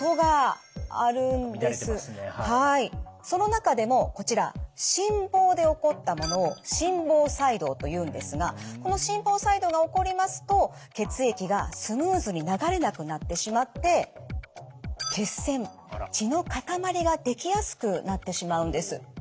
その中でもこちら心房で起こったものを心房細動というんですがこの心房細動が起こりますと血液がスムーズに流れなくなってしまって血栓血の塊ができやすくなってしまうんです。